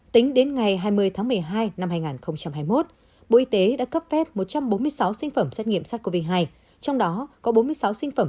tính đến ngày hai mươi tháng một mươi hai năm hai nghìn hai mươi một bộ y tế đã cấp phép một trăm bốn mươi sáu sinh phẩm xét nghiệm sars cov hai trong đó có bốn mươi sáu sinh phẩm